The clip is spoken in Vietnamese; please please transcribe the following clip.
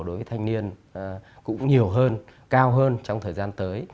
yêu cầu đối với thanh niên cũng nhiều hơn cao hơn trong thời gian tới